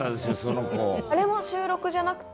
あれも収録じゃなくて。